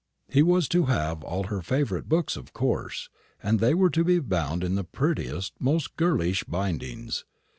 He was to have all her favourite books, of course; and they were to be bound in the prettiest, most girlish bindings.